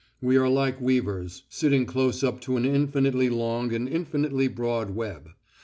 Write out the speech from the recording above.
We are like weavers, sitting close up to an infinitely long and infinitely broad web.